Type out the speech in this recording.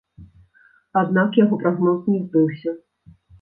Аднак яго прагноз не збыўся.